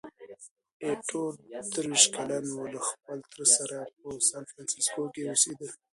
ایټور درویشت کلن وو، له خپل تره سره په سانفرانسیسکو کې اوسېده.